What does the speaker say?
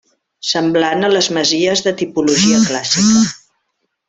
Semblant a les masies de tipologia clàssica.